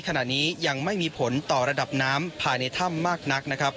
ขณะนี้ยังไม่มีผลต่อระดับน้ำภายในถ้ำมากนักนะครับ